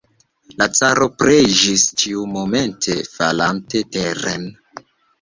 La caro preĝis, ĉiumomente falante teren.